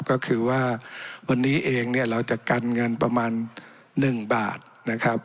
ก็คือว่าวันนี้เองเนี่ยเราจะกันเงินประมาณ๑บาทนะครับ